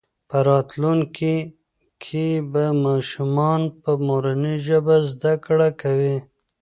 په راتلونکي کې به ماشومان په مورنۍ ژبه زده کړه کوي.